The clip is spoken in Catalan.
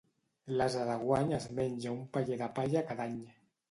L'ase de guany es menja un paller de palla cada any.